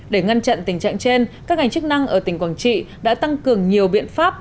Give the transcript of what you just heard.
để ngăn chặn tình trạng trên các ngành chức năng ở tỉnh quảng trị đã tăng cường nhiều biện pháp